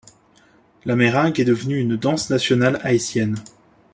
La méringue est devenue une danse nationale haïtienne.